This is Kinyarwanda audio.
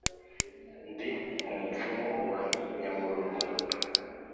ndi umupfumu wa nyamurorwa